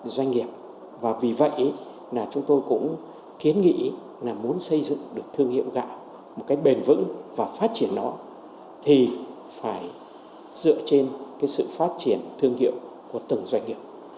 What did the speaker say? doanh nghiệp và vì vậy là chúng tôi cũng kiến nghĩ là muốn xây dựng được thương hiệu gạo một cách bền vững và phát triển nó thì phải dựa trên sự phát triển thương hiệu của từng doanh nghiệp